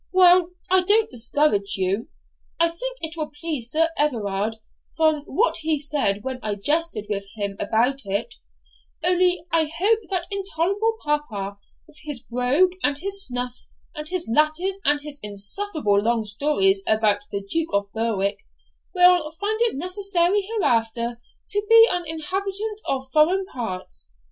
Well, I don't discourage you; I think it will please Sir Everard, from what he said when I jested with him about it; only I hope that intolerable papa, with his brogue, and his snuff, and his Latin, and his insufferable long stories about the Duke of Berwick, will find it necessary hereafter to be an inhabitant of foreign parts.